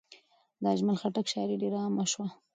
د اجمل خټک شاعري ډېر عامه شوه.